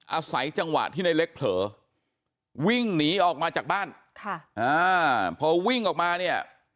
อาศัยจังหวะที่ในเล็กเผลอวิ่งหนีออกมาจากบ้านค่ะอ่าพอวิ่งออกมาเนี่ย